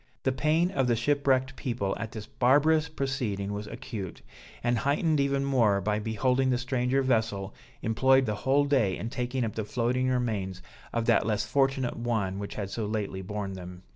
The pain of the shipwrecked people at this barbarous proceeding was acute, and heightened even more by beholding the stranger vessel employed the whole day in taking up the floating remains of that less fortunate one which had so lately borne them.